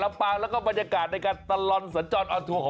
เมื่อไหร่จะได้ดูภาพตอนที่ไปสักที